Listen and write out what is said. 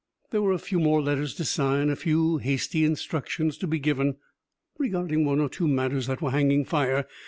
There were a few more letters to sign, a few hasty instructions to be given regarding one or two matters that were hanging fire.